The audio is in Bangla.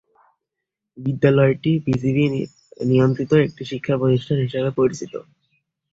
বিদ্যালয়টি বিজিবি নিয়ন্ত্রিত একটি শিক্ষা প্রতিষ্ঠান হিসাবে পরিচিত।